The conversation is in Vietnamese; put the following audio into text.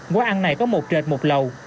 quán ăn này có một trệt một lầu